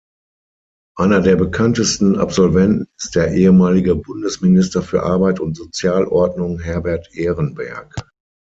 Einer der bekanntesten Absolventen ist der ehemalige Bundesminister für Arbeit und Sozialordnung Herbert Ehrenberg.